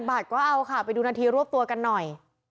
บาทก็เอาค่ะไปดูนาทีรวบตัวกันหน่อย